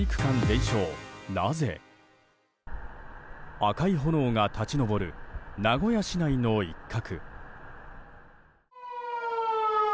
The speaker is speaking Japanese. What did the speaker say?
赤い炎が立ち上る名古屋市内の一角。